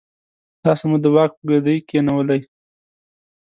تاسو مو د واک په ګدۍ کېنولئ.